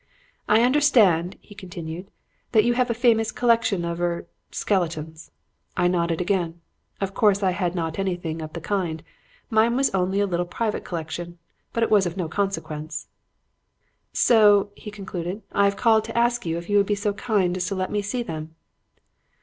"'I understand,' he continued, 'that you have a famous collection of er skeletons.' I nodded again. Of course I had not anything of the kind. Mine was only a little private collection. But it was of no consequence. 'So,' he concluded, 'I have called to ask if you would be so kind as to let me see them.'